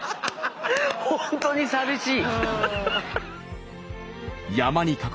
本当に寂しい。